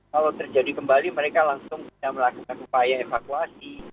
kalau terjadi kembali mereka langsung bisa melakukan upaya evakuasi